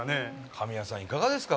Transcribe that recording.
神谷さん、いかがですか？